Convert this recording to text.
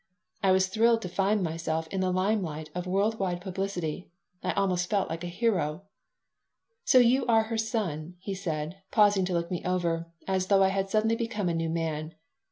I was thrilled to find myself in the lime light of world wide publicity. I almost felt like a hero "So you are her son?" he said, pausing to look me over, as though I had suddenly become a new man.